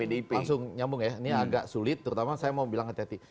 pdip langsung nyambung ya ini agak sulit terutama saya mau bilang hati hati